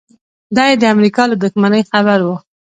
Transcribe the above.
دی یې د امریکا له دښمنۍ خبر و